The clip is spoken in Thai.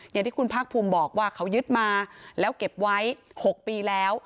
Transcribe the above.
อย่างที่คุณภาคภูมิบอกว่าเขายึดมาแล้วเก็บไว้๖ปีแล้ว